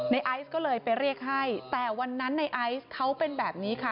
ไอซ์ก็เลยไปเรียกให้แต่วันนั้นในไอซ์เขาเป็นแบบนี้ค่ะ